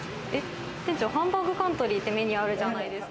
店長、ハンバーグカントリーってメニューあるじゃないですか。